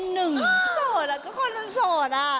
โศดเขาคณนั่นโศด